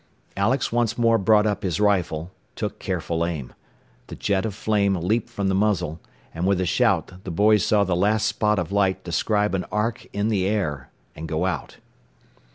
Alex once more brought up his rifle, took careful aim; the jet of flame leaped from the muzzle, and with a shout the boys saw the last spot of light describe an arc in the air, and go out.